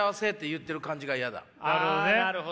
なるほど。